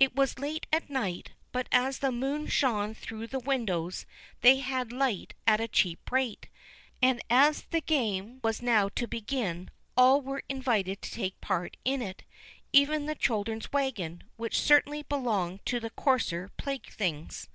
It was late at night, but as the moon shone through the windows, they had light at a cheap rate, and as the game was now to begin, all were invited to take part in it, even the children's wagon, which certainly belonged to the coarser playthings.